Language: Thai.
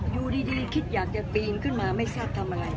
อยู่ดีคิดอยากจะปีนขึ้นมาไม่ทราบทำอะไร